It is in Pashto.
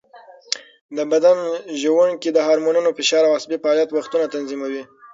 د بدن ژوڼکې د هارمونونو، فشار او عصبي فعالیت وختونه تنظیموي.